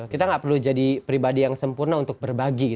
kita gak perlu jadi pribadi yang sempurna untuk berbagi